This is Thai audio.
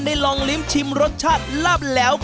ลองลิ้มชิมรสชาติลับแล้ว